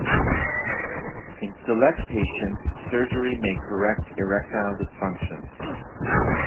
In select patients surgery may correct erectile dysfunction.